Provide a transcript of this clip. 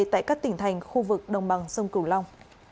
tại các tỉnh thành khu vực đồng bằng sông cửu long